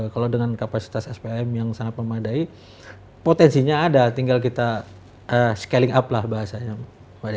kalau dengan kapasitas spm yang sangat memadai potensinya ada tinggal kita scaling up lah bahasanya